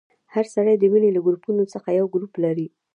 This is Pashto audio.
هر سړی د وینې له ګروپونو څخه یو ګروپ لري.